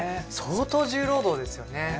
相当重労働ですよね。